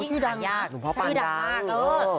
ชื่อดังค่ะหลวงพ่อปานดัง